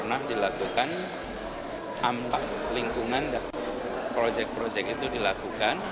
pernah dilakukan dampak lingkungan dan proyek proyek itu dilakukan